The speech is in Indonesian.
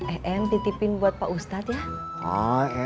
em titipin buat pak ustadz ya